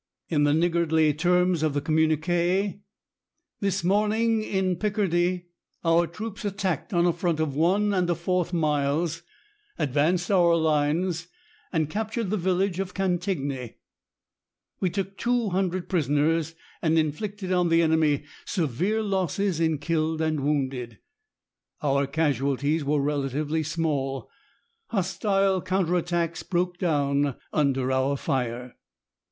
In the niggardly terms of the communique: "This morning in Picardy our troops attacked on a front of one and a fourth miles, advanced our lines, and captured the village of Cantigny. We took 200 prisoners and inflicted on the enemy severe losses in killed and wounded. Our casualties were relatively small. Hostile counter attacks broke down under our fire."